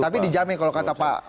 tapi dijamin kalau kata pak